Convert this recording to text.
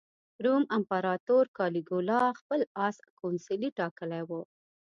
روم امپراطور کالیګولا خپل اس کونسلي ټاکلی و.